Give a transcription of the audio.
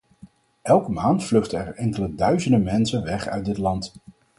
Elke maand vluchten er enkele duizenden mensen weg uit dit land.